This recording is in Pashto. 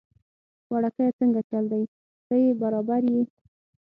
وړکیه څنګه چل دی، ښه يي برابر يي؟